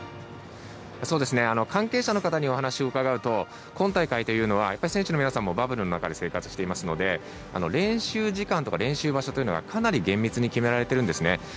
関係者の方にお話を伺うと今大会というのは選手の皆さんもバブルの中で生活していますので練習時間とか練習場所というのがかなり厳密に決められているんですね。